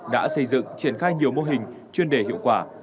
đã xây dựng triển khai nhiều mô hình chuyên đề hiệu quả